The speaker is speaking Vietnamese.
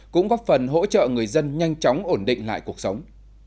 cũng góp phần hỗ trợ người dân nhanh chóng ổn định lại cuộc sống